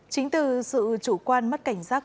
chính từ sự chủ quan mất cảnh giác